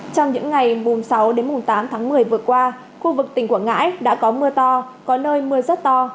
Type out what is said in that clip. trong những ngày mùng sáu đến mùng tám tháng một mươi vừa qua khu vực tỉnh quảng ngãi đã có mưa to có nơi mưa rất to